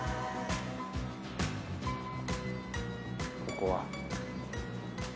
ここは。